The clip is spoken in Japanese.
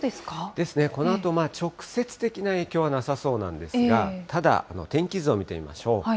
ですね、このあと、直接的な影響はなさそうなんですが、ただ、天気図を見てみましょう。